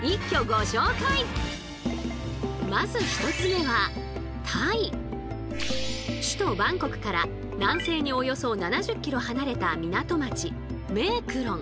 まず１つ目は首都バンコクから南西におよそ７０ｋｍ離れた港町メークロン。